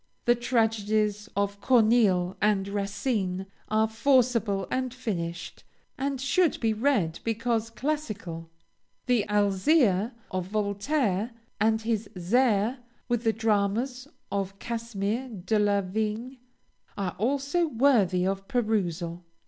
The tragedies of Corneille and Racine are forcible and finished, and should be read because classical. The "Alzire" of Voltaire and his "Zaire" with the dramas of Casimir de la Vigne are also worthy of perusal.